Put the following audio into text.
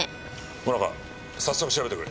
萌奈佳早速調べてくれ。